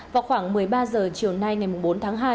vào khoảng một mươi ba h chiều nay ngày bốn tháng hai